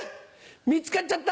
見つかっちゃった。